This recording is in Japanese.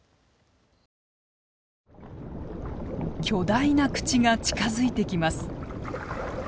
巨大な口が近づいてきます。